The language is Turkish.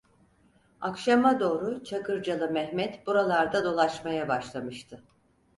Akşama doğru Çakırcalı Mehmet buralarda dolaşmaya başlamıştı.